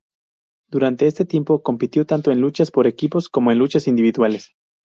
Durante este tiempo, compitió tanto en luchas por equipos como en luchas individuales.